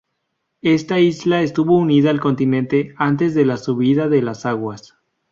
Esta isla estuvo unida al continente antes de la subida de las aguas.